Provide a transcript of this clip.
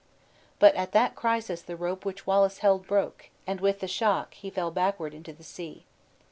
But at that crisis the rope which Wallace held broke, and, with the shock, he fell backward into the sea.